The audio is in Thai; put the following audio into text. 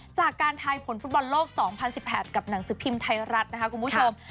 จากการทายผลฟุตบอลโลก๒๐๑๘กับหนังสือพิมพ์ไทยรัฐนะคะคุณผู้ชม